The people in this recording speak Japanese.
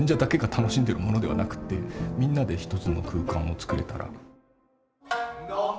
楽しんでるものではなくてみんなで一つの空間を作れたら。